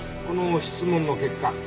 この質問の結果